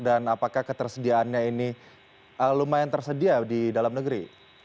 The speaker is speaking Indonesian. apakah ketersediaannya ini lumayan tersedia di dalam negeri